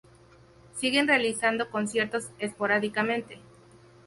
Siguen realizando conciertos esporádicamente.